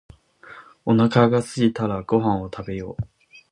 おなかがすいたらご飯を食べよう